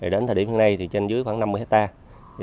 đến thời điểm nay trên dưới khoảng năm mươi hectare